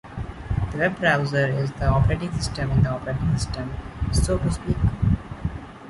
The web browser is the operating system in the operating system, so to speak.